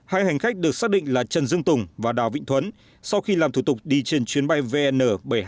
hai hành khách được xác định là trần dương tùng và đào vịnh thuấn sau khi làm thủ tục đi trên chuyến bay vn bảy nghìn hai trăm năm mươi sáu